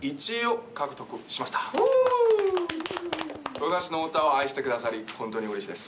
僕たちの歌を愛してくださり、本当にうれしいです。